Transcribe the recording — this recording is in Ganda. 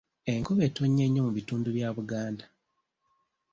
Enkuba etonnye nnyo mu bitundu bya Buganda.